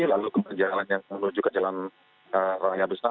lalu jalan yang menuju ke jalan raya besar